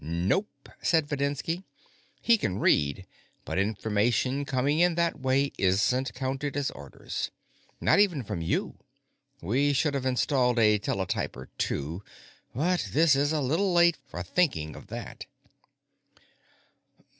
"Nope," said Videnski. "He can read, but information coming in that way isn't counted as orders, not even from you. We should have installed a teletyper, too, but this is a little late for thinking of that."